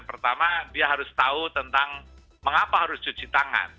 pertama dia harus tahu tentang mengapa harus cuci tangan